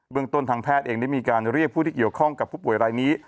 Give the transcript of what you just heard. เมืองต้นทางแพทย์เองได้มีการเรียกผู้ที่เกี่ยวข้องกับผู้ป่วยรายนี้